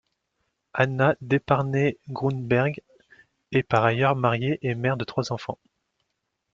Anna Deparnay-Grunenberg est par ailleurs mariée et mère de trois enfants.